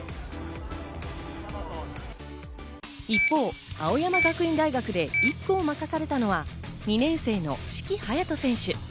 一方、青山学院大学で１区を任されたのは２年生の志貴勇斗選手。